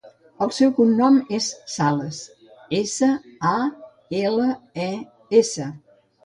El seu cognom és Sales: essa, a, ela, e, essa.